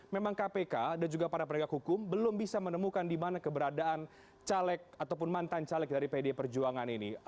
memang kpk dan juga para penegak hukum belum bisa menemukan di mana keberadaan caleg ataupun mantan caleg dari pd perjuangan ini